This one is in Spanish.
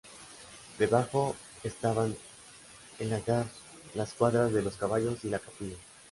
Debajo estaban el lagar, las cuadras de los caballos y la capilla.